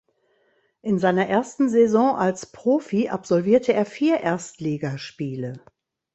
In seiner ersten Saison als Profi absolvierte er vier Erstligaspiele.